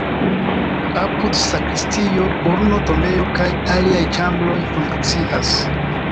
Apude sakristio, urno-tombejo kaj aliaj ĉambroj funkcias.